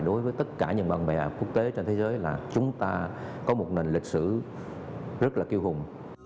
đối với tất cả những bạn bè quốc tế trên thế giới là chúng ta có một nền lịch sử rất là kêu hùng